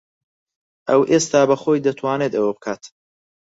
ئەو ئێستا بەخۆی دەتوانێت ئەوە بکات.